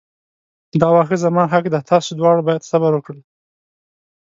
دا واښه زما حق دی تاسو دواړه باید صبر وکړئ.